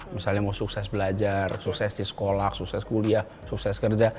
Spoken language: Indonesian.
misalnya mau sukses belajar sukses di sekolah sukses kuliah sukses kerja